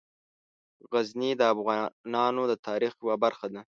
غزني د افغانانو د تاریخ یوه برخه ده.